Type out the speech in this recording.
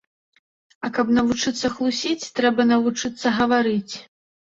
А каб навучыцца хлусіць, трэба навучыцца гаварыць.